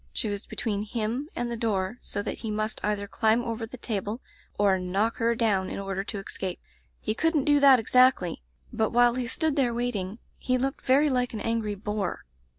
She was be tween him and the door, so that he must either climb over the table or knock her down in order to escape. He couldn't do that exactly, but while he stood there waiting he looked very like an angry boar.